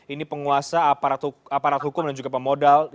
ini penguasa aparat hukum dan juga penguasa perusahaan itu